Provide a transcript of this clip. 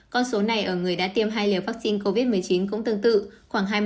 con số này ở người đã tiêm hai liều vaccine covid một mươi chín cũng tương tự khoảng hai mươi